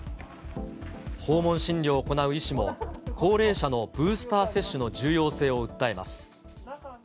訪問診療を行う医師も、高齢者のブースター接種の重要性を訴えます。